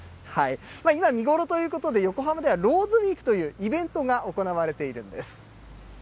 今、見頃ということで、横浜ではローズウィークというイベントが行われているんです。